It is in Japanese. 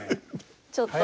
ちょっと。